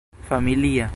familia